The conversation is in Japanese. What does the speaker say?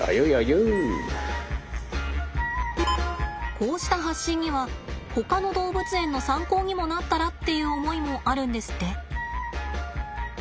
こうした発信にはほかの動物園の参考にもなったらっていう思いもあるんですって。